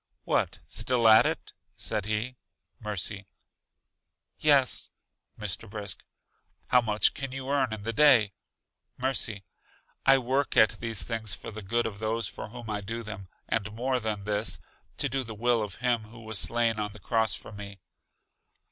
What, still at it? said he. Mercy: Yes. Mr. Brisk: How much can you earn in the day. Mercy: I work at these things for the good of those for whom I do them; and more than this, to do the will of Him who was slain on the cross for me.